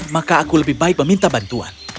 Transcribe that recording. maka aku lebih baik meminta bantuan